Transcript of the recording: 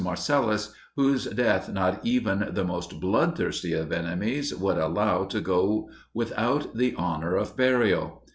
Marcellus, whose death not even the most bloodthirsty of enemies would allow to go without the honour of burial.